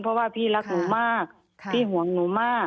เพราะว่าพี่รักหนูมากพี่ห่วงหนูมาก